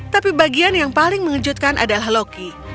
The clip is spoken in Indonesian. tapi bagian yang paling mengejutkan adalah loki